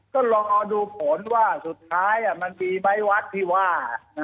ก็ลองเอาดูผลว่าสุดท้ายมันมีไหมวัดที่ว่า